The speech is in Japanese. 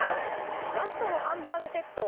ガストのハンバーグセット